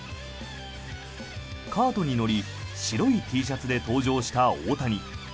カートに乗り白いＴシャツで登場した、大谷。